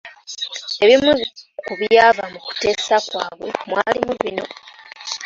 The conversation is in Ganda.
Ebimu ku byava mu kuteesa kwabwe mwalimu bino: